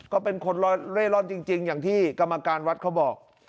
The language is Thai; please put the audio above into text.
ก็เป็นคนเล่ร่อนจริงอย่างที่กรรมการวัดเขาบอก